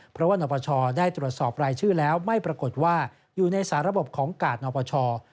เพราะว่านปชได้ตรวจสอบรายชื่อแล้วไม่ปรากฏว่าอยู่ในสาระบบของกาดนปช